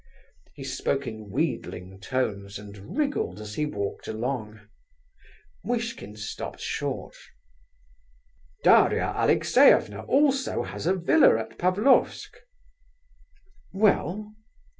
He spoke in wheedling tones, and wriggled as he walked along. Muishkin stopped short. "Daria Alexeyevna also has a villa at Pavlofsk." "Well?"